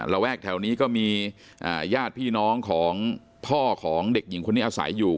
แวกแถวนี้ก็มีญาติพี่น้องของพ่อของเด็กหญิงคนนี้อาศัยอยู่